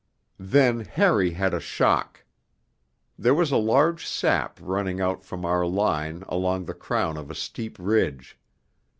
IV Then Harry had a shock. There was a large sap running out from our line along the crown of a steep ridge.